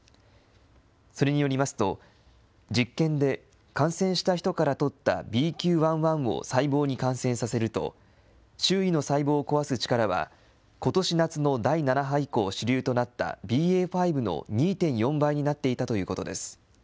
それによりますと、実験で感染した人からとったＢＱ．１．１を細胞に感染させると、周囲の細胞を壊す力は、ことし夏の第７波以降、主流となったＢＡ．５の２．４倍になっていたということです。